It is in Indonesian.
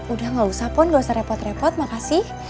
udah gak usah pun gak usah repot repot makasih